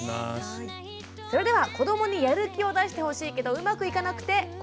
それでは子どもにやる気を出してほしいけどうまくいかなくて困っている最初のお悩みです。